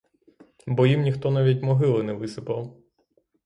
Бо їм ніхто навіть могили не висипав.